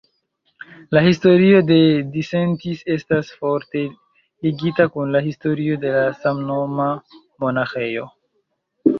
La historio de Disentis estas forte ligita kun la historio de la samnoma monaĥejo.